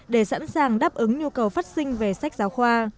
để sẵn sàng đáp ứng nhu cầu phát sinh về sách giáo khoa